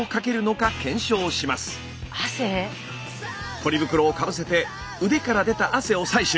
ポリ袋をかぶせて腕から出た汗を採取。